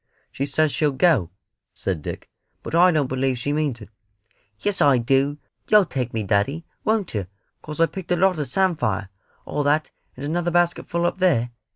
"She says she'll go," said Dick, "but I don't believe she means it." "Yes I do. You'll take me, daddy, won't yer 'cos I've picked a lot of samphire all that, and another basketful up there?